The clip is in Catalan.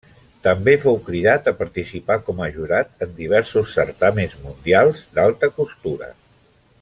També fou cridat a participar com a jurat en diversos certàmens mundials d'alta costura.